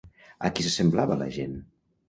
A qui s'assemblava la gent?